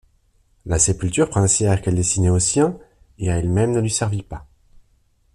La sépulture princière qu'elle destinait aux siens et à elle-même ne lui servit pas.